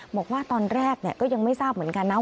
บอกว่าตอนแรกก็ยังไม่ทราบเหมือนกันนะ